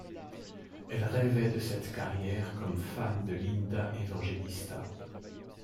Elle rêvait de cette carrière comme fan de Linda Evangelista.